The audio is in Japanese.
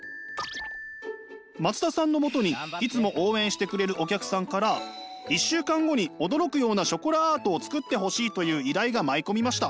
松田さんのもとにいつも応援してくれるお客さんから１週間後に驚くようなショコラアートをつくってほしいという依頼が舞い込みました。